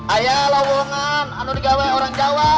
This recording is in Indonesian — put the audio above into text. ayah lawangan anu digawai orang jawa